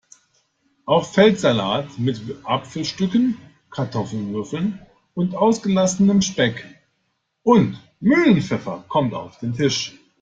Auch Feldsalat mit Apfelstücken, Kartoffelwürfeln und ausgelassenem Speck und Mühlenpfeffer kommt auf den Tisch.